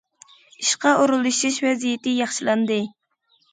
ئىشقا ئورۇنلىشىش ۋەزىيىتى ياخشىلاندى.